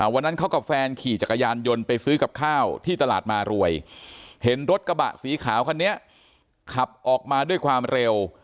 วันนั้นเขากับแฟนขี่จักรยานยนต์ไปซื้อกับข้าวที่ตลาดมารวยเห็นรถกระบะสีขาวคันนี้ขับออกมาด้วยความเร็ว